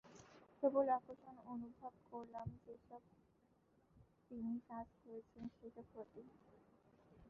প্রবল আকর্ষণ অনুভব করলাম যেসব মাধ্যমে তিনি কাজ করছেন সেসব কিছুর প্রতি।